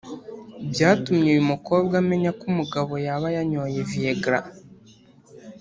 byatumye uyu mukobwa amenya ko umugabo yaba yanyoye Viagra